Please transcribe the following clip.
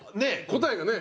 答えがね。